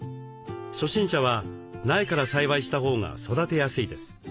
初心者は苗から栽培したほうが育てやすいです。